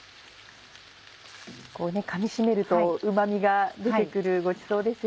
かみしめるとうま味が出て来るごちそうですよね。